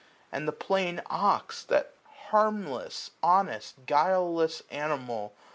And the plain ox. That harmless, honest, guileless animal.